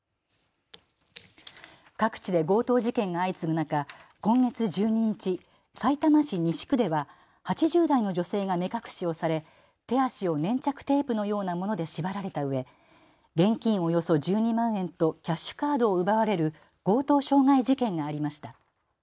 各地で強盗事件が相次ぐ中、今月１２日、さいたま市西区では８０代の女性が目隠しをされ手足を粘着テープのようなもので縛られたうえ現金およそ１２万円とキャッシュカードを奪われる強盗傷害事件がありました。